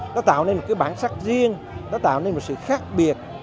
nó tạo nên một bản sách riêng nó tạo nên một sự khác biệt